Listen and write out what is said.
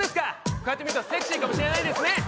こうやって見るとセクシーかもしれないですね